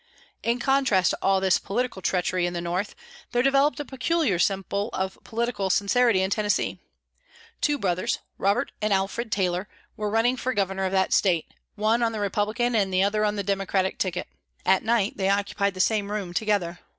In contrast to all this political treachery in the North there developed a peculiar symbol of political sincerity in Tennesee. Two brothers, Robert and Alfred Taylor, were running for Governor of that State one on the Republican and the other on the Democratic ticket. At night they occupied the same room together.